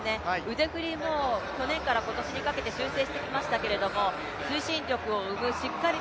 腕振りも去年から今年にかけて修正してきましたけども、推進力を生むしっかり